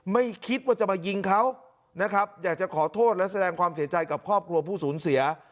ไม่คิดว่าจะมายิงเขานะครับอยากจะขอโทษและแสดงความเสียใจกับครอบครัวผู้สูญเสีย